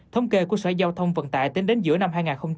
thông kê của sở giao thông vận tải tính đến giữa năm hai nghìn một mươi chín